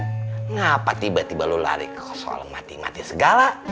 kenapa tiba tiba lo lari ke soal mati mati segala